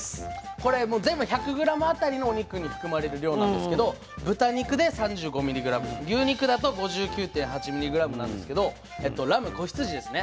これ全部１００ｇあたりのお肉に含まれる量なんですけど豚肉で３５ｍｇ牛肉だと５９．８ｍｇなんですけどラム子羊ですね。